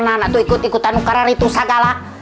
neng saraheyo ikut ikutan karena itu saja lah